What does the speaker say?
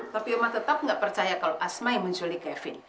tapi rumah tetap nggak percaya kalau asma yang menculik kevin